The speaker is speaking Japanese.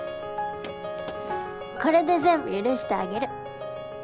これで全部許してあげる。